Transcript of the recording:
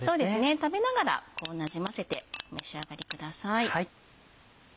食べながらなじませてお召し上がりください。